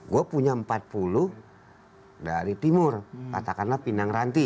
gue punya empat puluh dari timur katakanlah pinang ranti